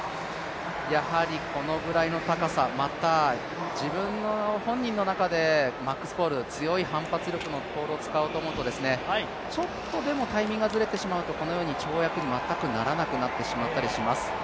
やはりこのくらいの高さ、また自分の本人の中で、マックスポール、強い反発のポールを使おうと思うとちょっとでもタイミングがずれてしまうと、このように跳躍に全くならなくなってしまったりします。